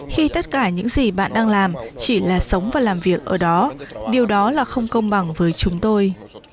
khi tất cả những gì bạn đang làm chỉ là sống và làm việc ở đó điều đó là không công bằng với chúng tôi